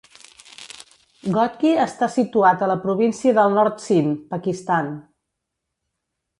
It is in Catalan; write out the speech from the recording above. Ghotki està situat a la província del nord Sindh, Pakistan.